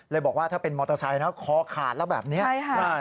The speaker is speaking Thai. เลยบอกว่าถ้าเป็นมอเตอร์ไซค์ขอขาดแล้วแบบนี้